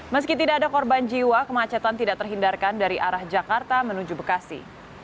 meski tidak ada korban jiwa kemacetan tidak terhindarkan dari arah jakarta menuju bekasi